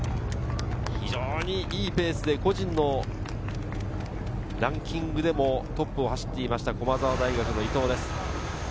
非常に良いペースで個人のランキングでもトップを走っていました駒澤大学・伊藤です。